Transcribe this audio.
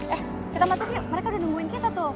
eh kita masuk yuk mereka udah nungguin kita tuh